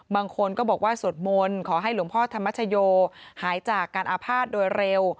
บางคนก็บอกว่าสวดมนต์ขอให้หลวงพ่อธรรมชโยหายจากการอาภาษณ์โดยเร็ว